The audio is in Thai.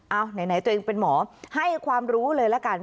เอาไหนตัวเองเป็นหมอให้ความรู้เลยละกัน